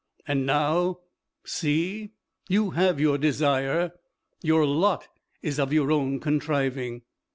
And now, see, you have your desire. Your lot is of your own contriving."